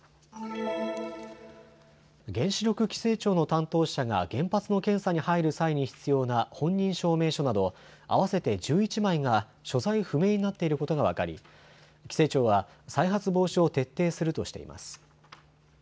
原子力規制庁の担当者が原発の検査に入る際に必要な本人証明書など合わせて１１枚が所在不明になっていることが分かり規制庁は再発防止を徹底するとしています。